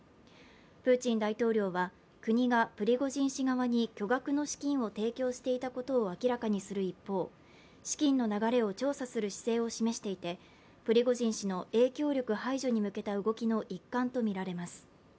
プーチン大統領は国がプリゴジン氏側に巨額の資金を提供していたことを明らかにする一方、資金の流れを調査する姿勢を示していてプリゴジン氏の影響力排除に向けた動きの一環とみられます。